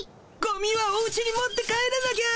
ゴミはおうちに持って帰らなきゃ。